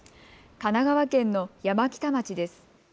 神奈川県の山北町です。